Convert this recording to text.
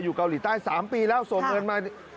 เกาหลีใต้๓ปีแล้วส่งเงินมา